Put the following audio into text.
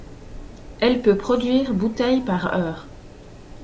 Elle peut produire bouteilles par heure.